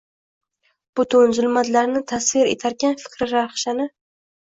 Butun zulmatlarni tasvir etarkan fikri rahshani